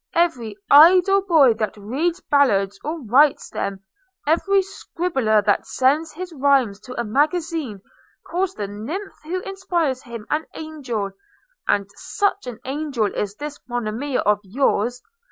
every idle boy that reads ballads or writes them, every scribbler that send his rhymes to a magazine, calls the nymph who inspires him an angel; and such an angel is this Monimia of yours!